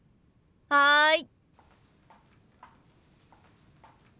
はい。